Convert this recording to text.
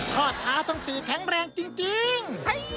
คลอดท้าทั้งสี่แข็งแรงจริง